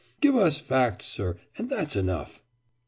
Give us facts, sir, and that's enough!